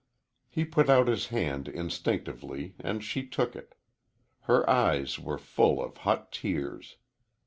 He put out his hand instinctively and she took it. Her eyes were full of hot tears.